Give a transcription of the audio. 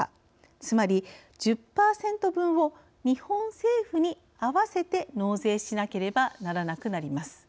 つまり１０％分を日本政府に、あわせて納税しなければならなくなります。